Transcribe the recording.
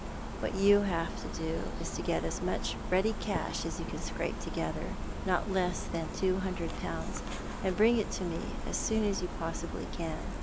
What you have to do is to get as much ready cash as you can scrape together — not less than two hundred pounds — and bring it to me as soon as you possibly can.